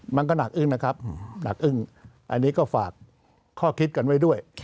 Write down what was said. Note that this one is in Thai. มันก็หนักอึ้งนะครับหนักอึ้งอันนี้ก็ฝากข้อคิดกันไว้ด้วย